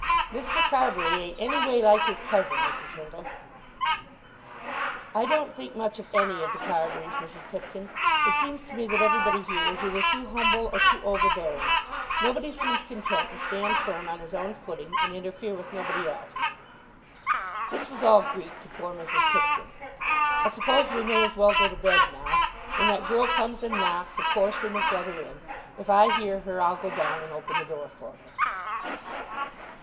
"Mr. Carbury ain't any way like his cousin, Mrs. Hurtle." "I don't think much of any of the Carburys, Mrs. Pipkin. It seems to me that everybody here is either too humble or too overbearing. Nobody seems content to stand firm on his own footing and interfere with nobody else." This was all Greek to poor Mrs. Pipkin. "I suppose we may as well go to bed now. When that girl comes and knocks, of course we must let her in. If I hear her, I'll go down and open the door for her."